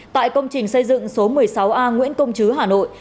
tại công trình xây dựng số một mươi sáu a nguyễn công chứ hà nội